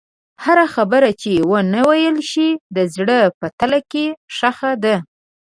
هره خبره چې ونه ویل شوه، د زړه په تله کې ښخ ده.